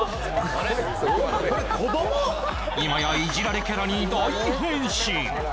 今やイジられキャラに大変身